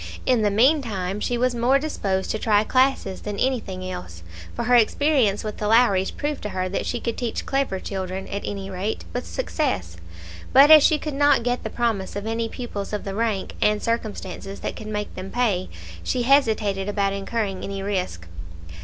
In the meantime, she was more disposed to try classes than anything else, for her experience with the Lowries proved to her that she could teach clever children, at any rate, with success; but as she could not get the promise of any pupils of the rank and circumstances that could make them pay, she hesitated about incurring any risk.